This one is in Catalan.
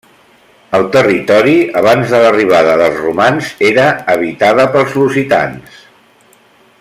El territori abans de l'arribada dels romans era habitada pels lusitans.